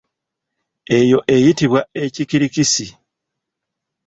Eyo eyitibwa ekikirikisi.